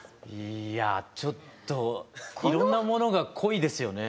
いやぁちょっといろんなものが濃いですよね。